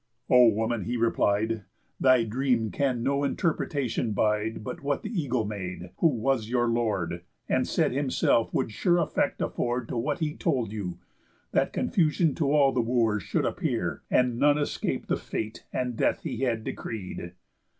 "O woman," he replied, "Thy dream can no interpretation bide But what the eagle made, who was your lord, And said himself would sure effect afford To what he told you; that confusion To all the Wooers should appear, and none Escape the fate and death he had decreed."